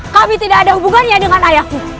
kami tidak ada hubungannya dengan ayahku